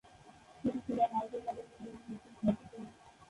এটি ছিল হায়দরাবাদের নিজাম কর্তৃক শাসিত।